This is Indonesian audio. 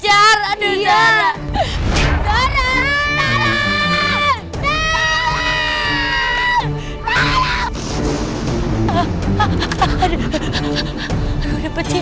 aduh aku dapet sih